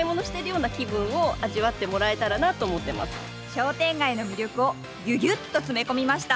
商店街の魅力をぎゅぎゅっと詰め込みました。